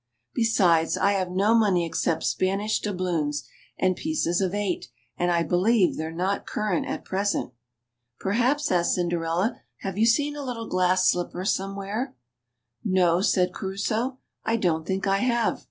Besides, I have no money except Spanish doubloons and pieces of eight, and I believe they're not current at present." "Please," asked Cinderella, "have you seen a little glass slipper anywhere?" " No," said Crusoe, " I don't think I have.